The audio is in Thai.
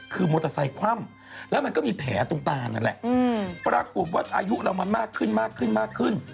คือมดสัยคว่ำแล้วมันก็มีแผลตรงตานั่นแหละปรากฏว่าอายุเรามันมากขึ้น